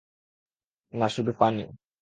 না, শুধু পানি।